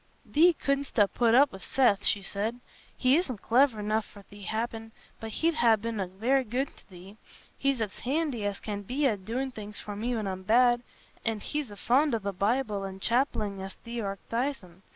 "Thee couldstna put up wi' Seth," she said. "He isna cliver enough for thee, happen, but he'd ha' been very good t' thee—he's as handy as can be at doin' things for me when I'm bad, an' he's as fond o' the Bible an' chappellin' as thee art thysen.